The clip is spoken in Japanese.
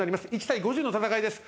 １対５０の戦いです。